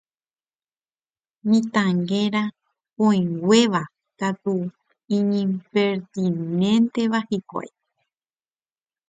mitãnguéra kõinguéva katu iñipertinénteva hikuái